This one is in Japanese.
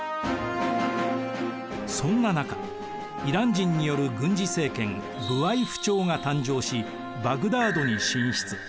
そんな中イラン人による軍事政権ブワイフ朝が誕生しバグダードに進出。